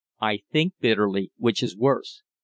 "I think bitterly, which is worse.